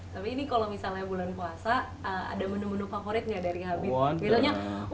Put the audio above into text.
tapi ini kalau misalnya bulan puasa ada menu menu favorit nggak dari habib